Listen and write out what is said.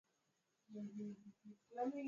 mauaji hayo yalikuwa chanzo cha mauaji ya kimbari